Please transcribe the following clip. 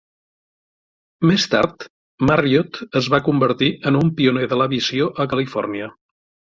Més tard, Marriott es va convertir en un pioner de l'aviació a Califòrnia.